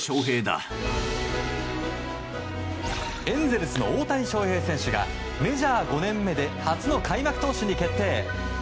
エンゼルスの大谷翔平選手がメジャー５年目で初の開幕投手に決定。